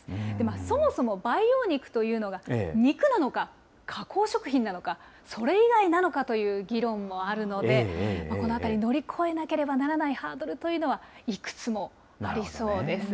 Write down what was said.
そもそも培養肉というのが、肉なのか加工食品なのか、それ以外なのかという議論もあるので、このあたり、乗り越えなければならないハードルというのは、いくつもありそうです。